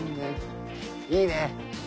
いいね。